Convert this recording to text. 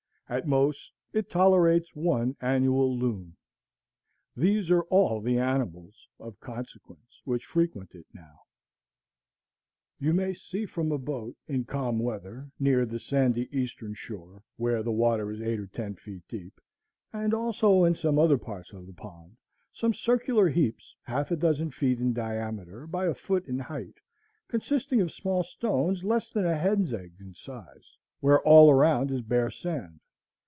At most, it tolerates one annual loon. These are all the animals of consequence which frequent it now. You may see from a boat, in calm weather, near the sandy eastern shore, where the water is eight or ten feet deep, and also in some other parts of the pond, some circular heaps half a dozen feet in diameter by a foot in height, consisting of small stones less than a hen's egg in size, where all around is bare sand.